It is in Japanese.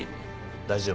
大丈夫？